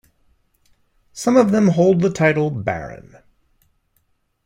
Some of them hold the title baron.